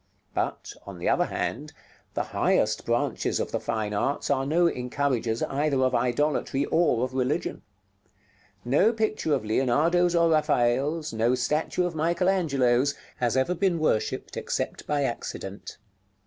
But, on the other hand, the highest branches of the fine arts are no encouragers either of idolatry or of religion. No picture of Leonardo's or Raphael's, no statue of Michael Angelo's, has ever been worshipped, except by accident.